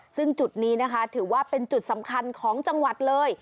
ซึ่งจุดนี้นะคะถือว่าเป็นจุดสำคัญของจังหวัดเลย